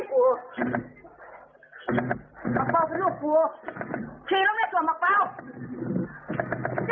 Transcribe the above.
มักเป้าเป็นลูกกูทีแล้วไม่ส่วนมักเป้า